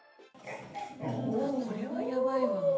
これはやばいわ。